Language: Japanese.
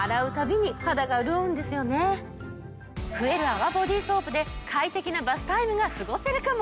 増える泡ボディソープで快適なバスタイムが過ごせるかも！